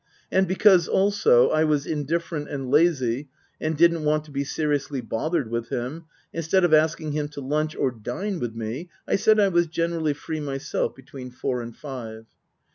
And because, also, I was indifferent and lazy and didn't want to be seriously bothered with him, instead of asking him to lunch or dine with me, I said I was generally free myself between four and five.